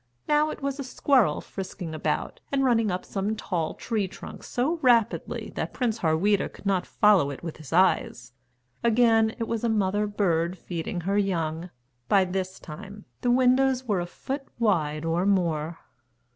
Now it was a squirrel frisking about and running up some tall tree trunk so rapidly that Prince Harweda could not follow it with his eyes; again it was a mother bird feeding her young. By this time, the windows were a foot wide or more.